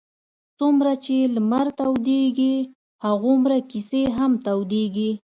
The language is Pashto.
څومره چې لمر تودېږي هغومره کیسې هم تودېږي.